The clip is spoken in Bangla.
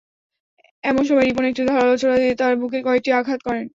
এমন সময় রিপন একটি ধারালো ছোরা দিয়ে তাঁর বুকে কয়েকটি আঘাত করেন।